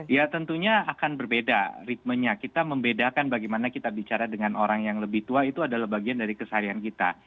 ya tentunya akan berbeda ritmenya kita membedakan bagaimana kita bicara dengan orang yang lebih tua itu adalah bagian dari keseharian kita